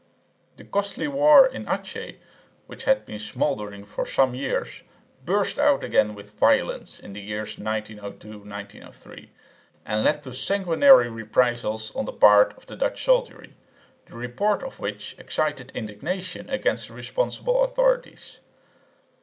The costly war in Achin, which had been smouldering for some years, burst out again with violence in the years 1902 3, and led to sanguinary reprisals on the part of the Dutch soldiery, the report of which excited indignation against the responsible authorities.